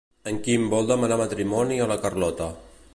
En Quim vol demanar matrimoni a la Carlota.